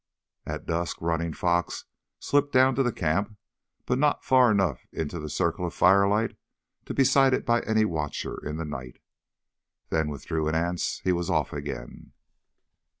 At dusk Running Fox slipped down to the camp, but not far enough into the circle of firelight to be sighted by any watcher in the night. Then with Drew and Anse he was off again.